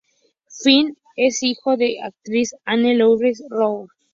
Finn es hijo de la actriz Anne Louise Ross.